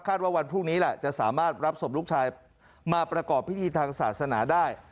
ว่าวันพรุ่งนี้แหละจะสามารถรับศพลูกชายมาประกอบพิธีทางศาสนาได้